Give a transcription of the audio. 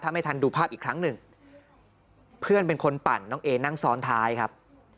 ไม่ทันดูภาพอีกครั้งหนึ่งเพื่อนเป็นคนปั่นน้องเอนั่งซ้อนท้ายครับ